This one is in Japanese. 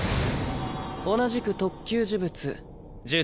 同じく特級呪物呪